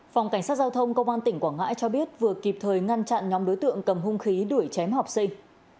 phòng cảnh sát giao thông công an tỉnh quảng ngãi cho biết vừa kịp thời ngăn chặn nhóm đối tượng cầm hung khí đuổi chém học sinh